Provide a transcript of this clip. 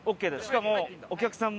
しかも。